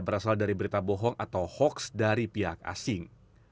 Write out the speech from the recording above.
berasal dari berita bohong atau hoax dari pihak asing